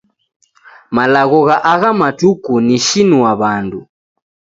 Malagho gha agha matuku ni shinua w'andu.